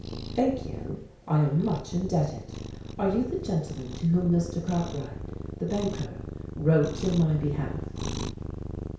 "Thank you; I am much indebted. Are you the gentleman to whom Mr. Cartwright, the banker, wrote in my behalf?"